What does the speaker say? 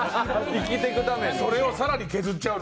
それをさらに削っちゃうの？